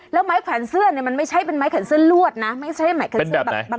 แล้วไม้แขวนเสื้อเนี่ยมันไม่ใช่เป็นไม้แขวนเสื้อลวดนะไม่ใช่ไม้แขกเสื้อแบบบาง